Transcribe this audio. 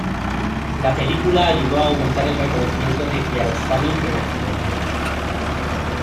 La película ayudó a aumentar el reconocimiento de Kiarostami en Occidente.